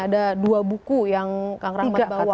ada dua buku yang kang rahmat bawa